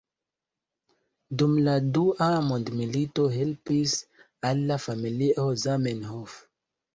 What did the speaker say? Dum la dua mondmilito helpis al la familio Zamenhof.